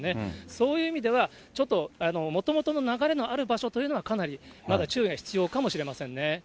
そういう意味では、ちょっと、もともとの流れのある場所というのは、かなりまだ注意が必要かもしれませんね。